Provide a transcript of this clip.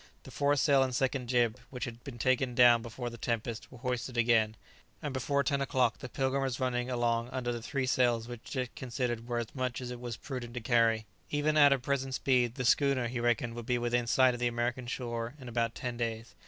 The foresail and second jib, which had been taken down before the tempest, were hoisted again, and before ten o'clock the "Pilgrim" was running along under the three sails which Dick considered were as much as it was prudent to carry. Even at her present speed, the schooner, he reckoned, would be within sight of the American shore in about ten days.